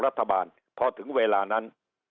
รัฐบาลพอถึงเวลานั้น